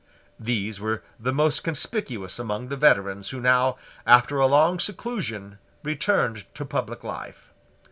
These were the most conspicuous among the veterans who now, after a long seclusion, returned to public life.